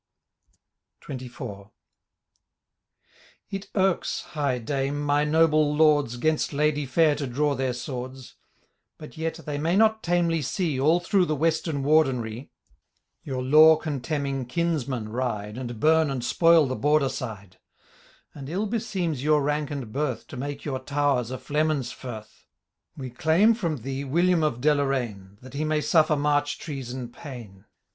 XXIV. *' It irks, high Dame, my noble Lords,, 'Gainst ladye fair to draw their swords ; But yet they "may^not tamely see. All through Uie Western Wardenry, a Digitized by VjOOQIC 9b THE LAY OP O/wto IV. Your law contemning kinsmen ride. And bum and spoil the Border side ; And ill beseems your rank and birth To make your towers a flemens firth.' We claim from thee William of Deloraine, That he may suffer march treason' pain.